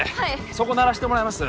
そこ鳴らしてもらえます？